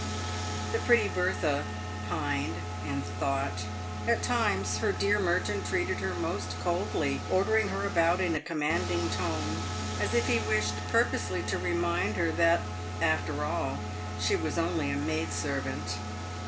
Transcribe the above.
The pretty Bertha pined and thought. At times, her dear Merton treated her most coldly, ordering her about in a commanding tone, as if he wished purposely to remind her that, after all, she was only a maid servant.